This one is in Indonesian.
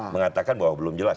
mengatakan bahwa belum jelas